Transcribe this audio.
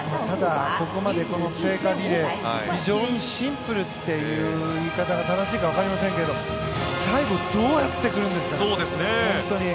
ただ、ここまでこの聖火リレー非常にシンプルっていう言い方が正しいかわかりませんけど最後どうやってくるんですかね。